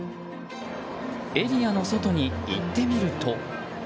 エリアの外に行ってみると。